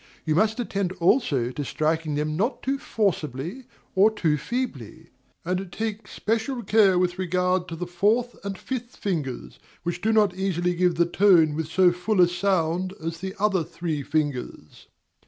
You must attend also to striking them not too forcibly or too feebly, and take special care with regard to the fourth and fifth fingers, which do not easily give the tone with so full a sound as the other three fingers.